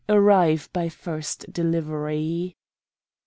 Arrive by first delivery."